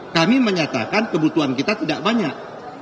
kami menyatakan kebutuhan kita tidak banyak